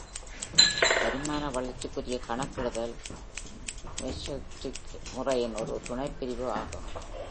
பரிணாமவளர்ச்சிக்குரிய கணக்கிடுதல் metaheuristic முறையின் ஒரு துணைப்பிரிவு ஆகும்.